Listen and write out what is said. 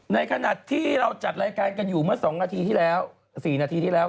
ในขณะที่เราจัดรายการกันอยู่เมื่อ๓๔นาทีที่แล้ว